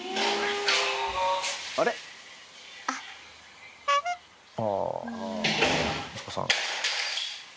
ああ、息子さん。